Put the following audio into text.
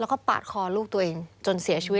แล้วก็ปาดคอลูกตัวเองจนเสียชีวิต